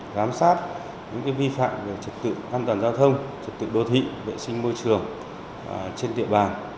giám sát những vi phạm về trật tự an toàn giao thông trật tự đô thị vệ sinh môi trường trên địa bàn